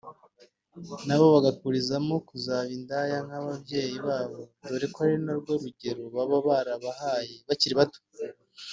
nabo bagakurizamo kuzaba indaya nk’ababyeyi babo dore ko ari na rwo rugero baba barahawe bakiri bato